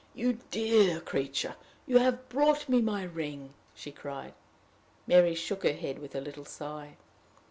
"You dear creature! You have brought me my ring!" she cried. Mary shook her head with a little sigh.